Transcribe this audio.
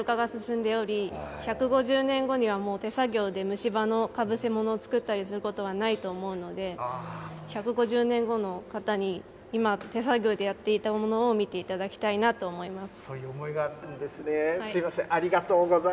これを残そうと思ったのはど歯科の世界も、デジタル化が進んでおり、１５０年後にはもう手作業で虫歯のかぶせ物を作ったりすることはないと思うので、１５０年後の方に、今、手作業でやっていたものを見ていただきたいなと思います。